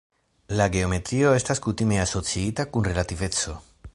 La geometrio estas kutime asociita kun relativeco.